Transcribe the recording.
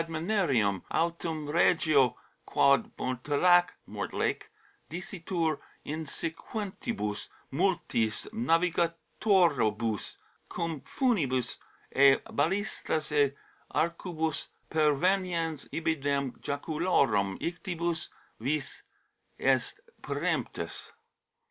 Ad mane rium autem regio quod Mortelac (Mortlake) dicitur, insequentibus multis navigatoribus cum funibus et balistis et arcubus, perveniens, ibidem jaculorum ictibus vix est peremptus."